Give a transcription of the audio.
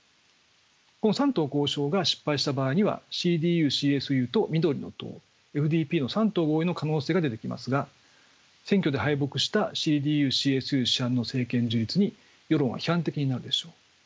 この３党交渉が失敗した場合にはＣＤＵ／ＣＳＵと緑の党ＦＤＰの３党合意の可能性が出てきますが選挙で敗北したＣＤＵ／ＣＳＵ首班の政権樹立に世論は批判的になるでしょう。